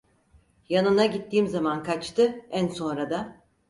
Yanına gittiğim zaman kaçtı, en sonra da: